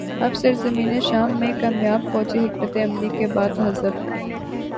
اب سرزمین شام میں کامیاب فوجی حکمت عملی کے بعد حزب